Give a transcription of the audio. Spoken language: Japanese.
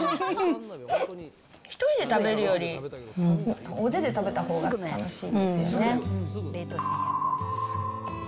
１人で食べるより大勢で食べたほうがおいしいですよね。